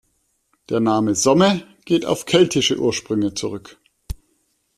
Der Name "Somme" geht auf keltische Ursprünge zurück.